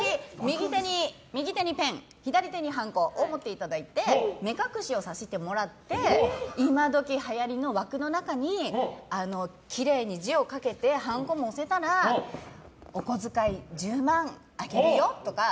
右手にペン、左手にハンコを持っていただいて目隠しをさせてもらって今どき、はやりの枠の中にきれいに字を書けてハンコも押せたらおこづかい、１０万あげるよとか。